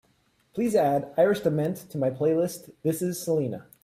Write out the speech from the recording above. Please add Iris DeMent to my playlist this is selena